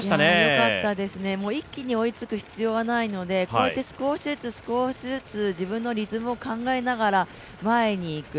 よかったです、一気に追いつく必要はないので、こうやって少しずつ、自分のリズムを考えながら前に行く。